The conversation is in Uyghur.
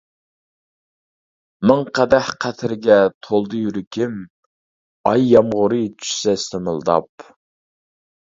مىڭ قەدەھ قەترىگە تولدى يۈرىكىم، ئاي يامغۇرى چۈشسە سىمىلداپ.